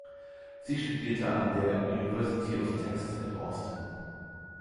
Sie studierte an der University of Texas at Austin.